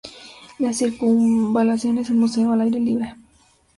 La Circunvalación es un museo al aire libre.